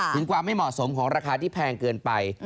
ถึงความไม่เหมาะสมของราคาที่แพงเกินไป